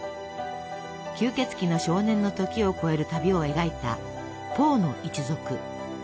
吸血鬼の少年の時を超える旅を描いた「ポーの一族」。